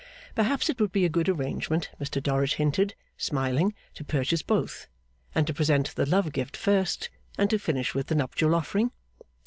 Perhaps it would be a good arrangement, Mr Dorrit hinted, smiling, to purchase both, and to present the love gift first, and to finish with the nuptial offering?